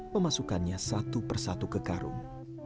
memasukkannya satu persatu ke karung